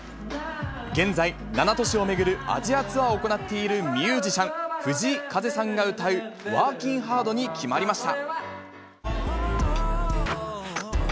現在、７都市を巡るアジアツアーを行っているミュージシャン、藤井風さんが歌う、ワーキンハードに決まりました。